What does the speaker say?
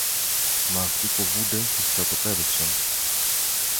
Μα αυτοί φοβούνται και στρατοπέδευσαν.